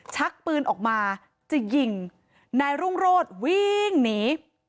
ชักปืนออกมาจะยิงนายรุ่งโรธวิ่งหนี